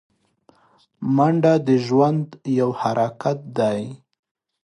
منډه د ژوند یو حرکت دی